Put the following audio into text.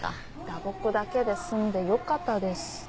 打撲だけで済んでよかったです。